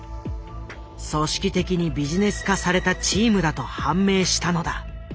組織的にビジネス化されたチームだと判明したのだ。